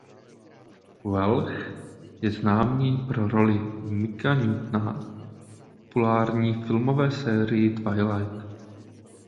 Welch je známý pro roli Mika Newtona v populární" filmové sérii Twilight".